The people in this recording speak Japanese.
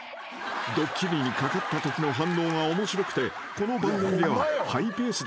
［ドッキリにかかったときの反応が面白くてこの番組ではハイペースでターゲットとなっている］